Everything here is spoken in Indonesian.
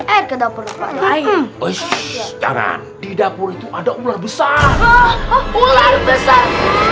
air kedapur air di dapur itu ada ular besar ular besar